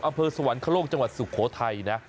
อำเภอสวรรคโลกจังหวัดสุโขทัยนะ